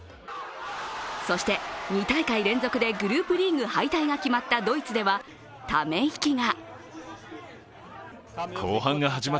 そして２大会連続でグループリーグ敗退が決まったドイツではため息が。